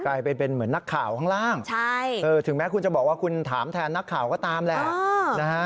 กลายเป็นเหมือนนักข่าวข้างล่างถึงแม้คุณจะบอกว่าคุณถามแทนนักข่าวก็ตามแหละนะฮะ